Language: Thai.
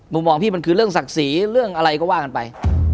มองพี่มันคือเรื่องศักดิ์ศรีเรื่องอะไรก็ว่ากันไป